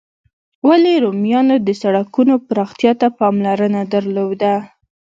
ولي رومیانو د سړکونو پراختیا ته پاملرنه درلوده؟